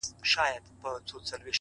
ځكه انجوني وايي له خالو سره راوتي يــو؛